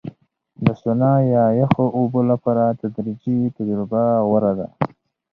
د سونا یا یخو اوبو لپاره تدریجي تجربه غوره ده.